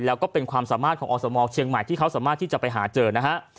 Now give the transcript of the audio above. แล้วก็เป็นความสามารถของอสมเชียงใหม่ที่เขาสามารถที่จะไปหาเจอนะฮะ